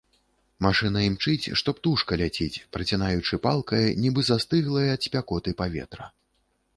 Машына імчыць, што птушка ляціць, працінаючы палкае, нібы застыглае ад спякоты паветра.